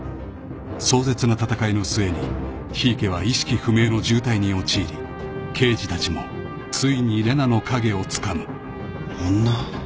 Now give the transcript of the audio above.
［壮絶な戦いの末に檜池は意識不明の重体に陥り刑事たちもついに玲奈の影をつかむ］女？